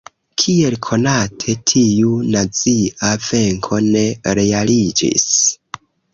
Kiel konate, tiu nazia venko ne realiĝis.